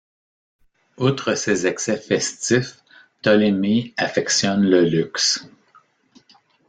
Outre ces excès festifs, Ptolémée affectionne le luxe.